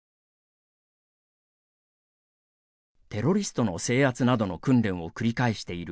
テロリストの制圧などの訓練を繰り返している